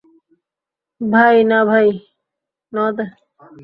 ভাই না ভাই।